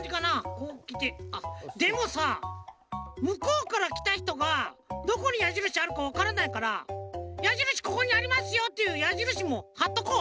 こうきてでもさむこうからきたひとがどこにやじるしあるかわからないからやじるしここにありますよっていうやじるしもはっとこう。